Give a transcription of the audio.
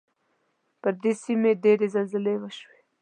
پر دې سیمې ډېرې زلزلې وشوې.